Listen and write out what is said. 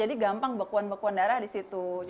jadi gampang bekuan bekuan darah disitu